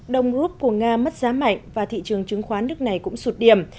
đồng rút của nga mất giá mạnh và thị trường chứng khoán nước này cũng sụt điểm